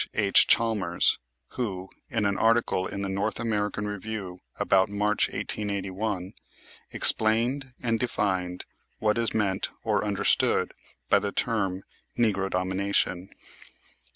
H. Chalmers, who, in an article in the North American Review about March, 1881, explained and defined what is meant or understood by the term "Negro Domination."